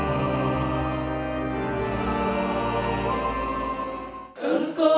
tuhan yang dipercaya